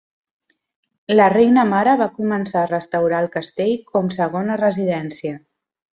La Reina Mare va començar a restaurar el castell com segona residència.